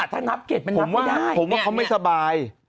ถ้างับเกล็ดมันนับไม่ได้ผมว่าเขาไม่สบาย